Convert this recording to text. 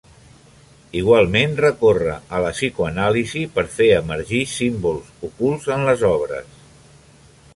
Igualment recorre a la psicoanàlisi per fer emergir símbols ocults en les obres.